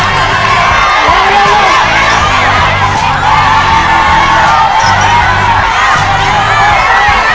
เร็วเร็วเร็ว